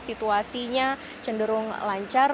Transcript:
situasinya cenderung lancar